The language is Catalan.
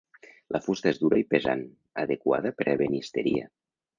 La fusta és dura i pesant, adequada per a ebenisteria.